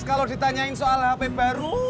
kalau ditanyain soal hp baru